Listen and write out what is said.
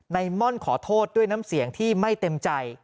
ในม่อนขอโทษด้วยน้ำเสียงที่ไม่เต็มใจ